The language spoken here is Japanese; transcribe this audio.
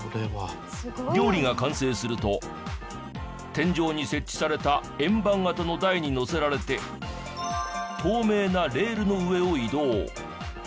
料理が完成すると天井に設置された円盤型の台に載せられて透明なレールの上を移動。